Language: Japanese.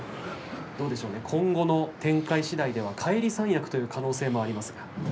どうでしょう、今後の展開しだいでは返り三役という可能性もありますが。